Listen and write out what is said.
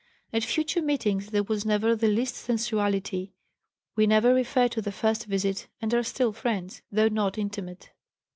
At future meetings there was never the least sensuality; we never referred to the first visit and are still friends, though not intimate.